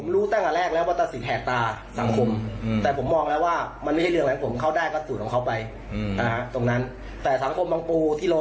ลูกก็มีงานทำรูกเดี๋ยวอยู่กับผมทวงกับลูกเขาไม่เจอตอนนั้นเขาได้รับ